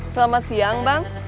selamat siang bang